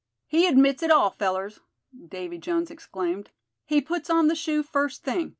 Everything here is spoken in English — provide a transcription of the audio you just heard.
"He admits it all, fellers;" Davy Jones exclaimed; "he puts on the shoe first thing.